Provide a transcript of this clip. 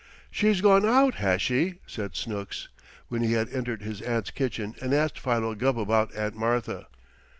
"She's gone out, has she?" said Snooks, when he had entered his aunt's kitchen and asked Philo Gubb about Aunt Martha.